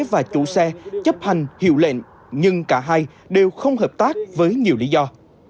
và chủ xe chấp hành hiệu lệnh nhưng cả hai đều không hợp tác với nhiều lý do